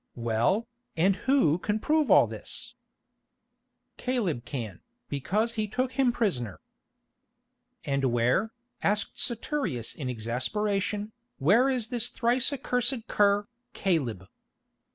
"Well, and who can prove all this?" "Caleb can, because he took him prisoner." "And where," asked Saturius in exasperation, "where is this thrice accursed cur, Caleb?"